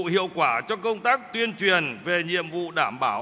hiệu quả cho công tác tuyên truyền về nhiệm vụ đảm bảo